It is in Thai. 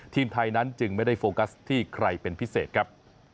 ทีมไทยนั้นจึงไม่ได้โฟกัสที่ใครเป็นพิเศษครับ